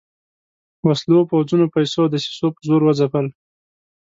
وسلو، پوځونو، پیسو او دسیسو په زور وځپل.